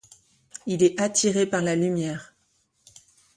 Il est attiré par la lumière.